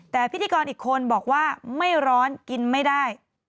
แต่พิธีกรอีกคนบอกว่าไม่ร้อนกินไม่ได้